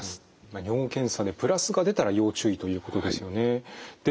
尿検査で＋が出たら要注意ということですよね。